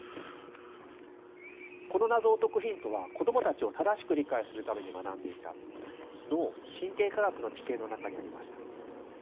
この謎を解くヒントは子どもたちを正しく理解するために学んでいた脳・神経科学の知見の中にありました。